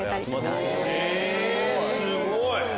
すごい！